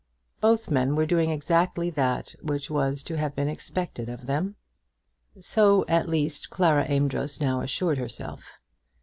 Both men were doing exactly that which was to have been expected of them. So at least Clara Amedroz now assured herself.